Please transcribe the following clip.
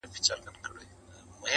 زمري وویل خوږې کوې خبري!!